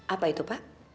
apa itu pak